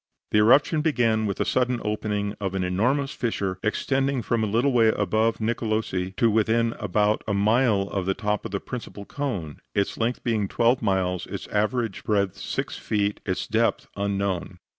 The eruption began with the sudden opening of an enormous fissure, extending from a little way above Nicolosi to within about a mile of the top of the principal cone, its length being twelve miles, its average breadth six feet, its depth unknown.